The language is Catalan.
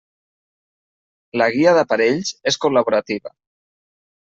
La guia d'aparells és col·laborativa.